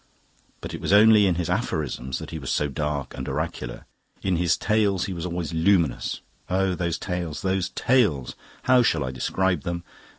But it was only in his aphorisms that he was so dark and oracular. In his Tales he was always luminous. Oh, those Tales those Tales! How shall I describe them?